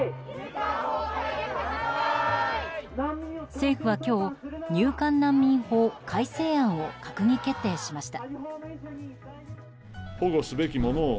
政府は今日入管難民法改正案を閣議決定しました。